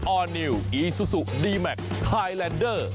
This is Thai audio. อร์นิวอีซูซูดีแมคไฮแลนเดอร์